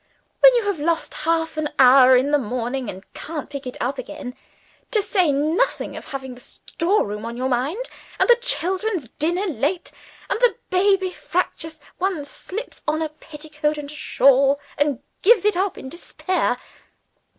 When you have lost half an hour in the morning, and can't pick it up again to say nothing of having the store room on your mind, and the children's dinner late, and the baby fractious one slips on a petticoat and a shawl, and gives it up in despair.